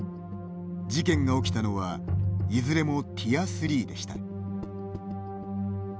事件が起きたのはいずれもＴｉｅｒ３でした。